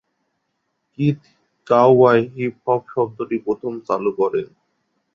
Keith Cowboy hip hop শব্দটি প্রথম চালু করেন।